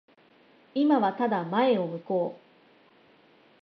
今はただ前を向こう。